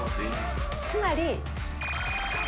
つまり。